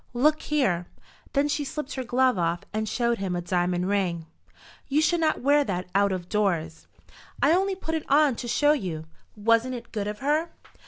Look here." Then she slipped her glove off and showed him a diamond ring. "You should not wear that out of doors." "I only put it on to show you. Wasn't it good of her?